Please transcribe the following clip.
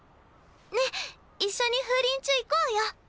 ね一緒に風林中行こうよ！